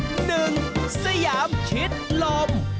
หนึ่งสยามชิดลม